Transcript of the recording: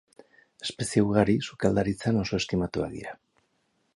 Espezie ugari sukaldaritzan oso estimatuak dira.